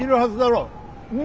うん？